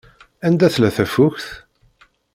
Anda tella tafukt?